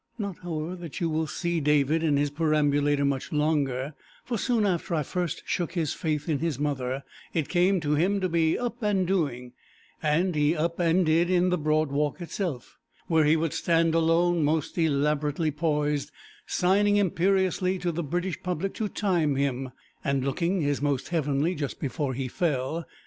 Not, however, that you will see David in his perambulator much longer, for soon after I first shook his faith in his mother, it came to him to be up and doing, and he up and did in the Broad Walk itself, where he would stand alone most elaborately poised, signing imperiously to the British public to time him, and looking his most heavenly just before he fell.